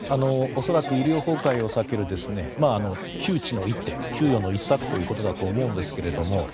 恐らく医療崩壊を避ける窮余の一策ということだと思うんですけれども。